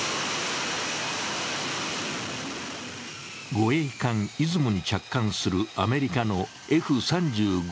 護衛艦「いずも」に着艦するアメリカのＦ３５